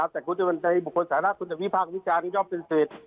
แต่ในบุคคลสถานการณ์คุณจะวิภาควิจารณ์ยอมเป็นสิทธิ์